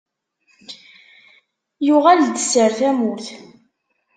Yuɣel-d sser tamurt.